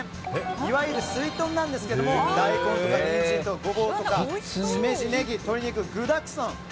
いわゆる、すいとんなんですが大根、ニンジン、ゴボウとかシメジ、ネギ、鶏肉と具だくさん。